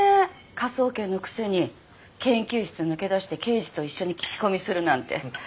科捜研のくせに研究室抜け出して刑事と一緒に聞き込みするなんて。